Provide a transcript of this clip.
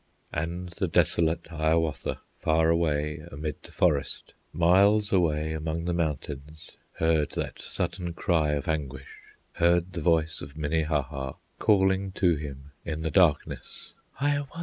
And the desolate Hiawatha, Far away amid the forest, Miles away among the mountains, Heard that sudden cry of anguish, Heard the voice of Minnehaha Calling to him in the darkness, "Hiawatha!